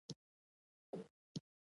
د چا پر شا به اوبه تېرې شي.